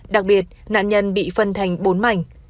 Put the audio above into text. đặc biệt nạn nhân bị phân thành bốn mảnh